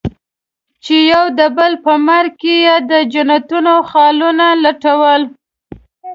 چې يو د بل په مرګ کې يې د جنتونو خالونه لټول.